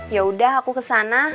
ya udah aku kesana